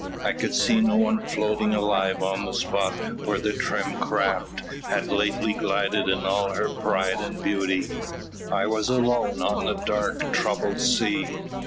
I could see no one floating alive on the spot where the trim craft had lately glided in all her pride and beauty. I was alone on the dark troubled sea.